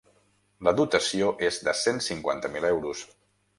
La dotació és de cent cinquanta mil euros.